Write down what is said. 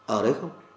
ở đấy không